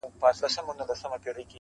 زما لېونۍ و ماته ښه خبر اکثر نه کوي~